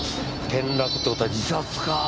転落って事は自殺か。